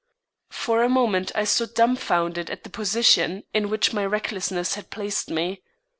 For a moment I stood dumbfounded at the position in which my recklessness had placed me.